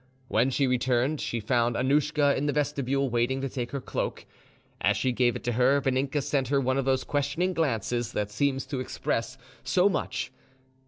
When she returned, she found Annouschka in the vestibule waiting to take her cloak. As she gave it to her, Vaninka sent her one of those questioning glances that seem to express so much.